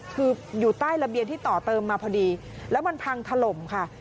คืออยู่ใต้ระเบียงที่ต่อเติมมาพอดีแล้วมันพังถล่มค่ะ